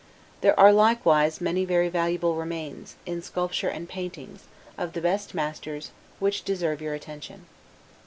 There are likewise many very valuable remains, in sculpture and paintings, of the best masters, which deserve your attention.